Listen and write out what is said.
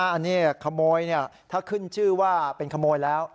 อันนี้ขโมยถ้าขึ้นชื่อว่าเป็นขโมยแล้ว